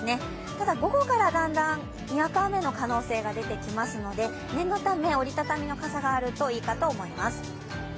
ただ、午後からだんだんにわか雨の可能性が出てきますので念のため、折りたたみの傘があるといいかと思います。